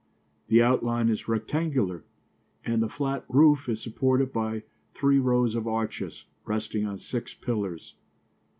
The outline is rectangular, and the flat roof is supported by three rows of arches, resting on six pillars.